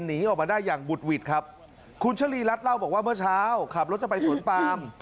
หนีออกมาได้อย่างบุดหวิดครับคุณชะลีรัฐเล่าบอกว่าเมื่อเช้าขับรถจะไปสวนปาม